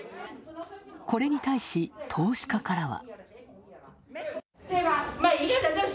これに対し投資家からは。